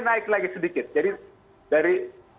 naik lagi sedikit jadi dari